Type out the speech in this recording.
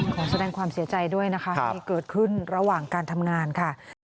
ขอแสดงความเสียใจด้วยนะคะที่เกิดขึ้นระหว่างการทำงานค่ะ